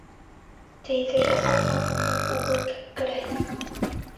Тейҙерә алмағандың уғы кәкре.